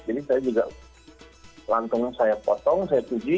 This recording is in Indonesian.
jadi saya juga lantung sayur potong saya cuci